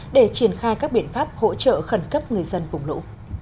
để triển khai các biện pháp hỗ trợ khẩn cấp người dân vùng lũ